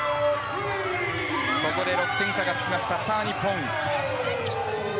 ここで６点差がつきました。